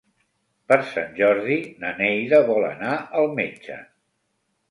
Per Sant Jordi na Neida vol anar al metge.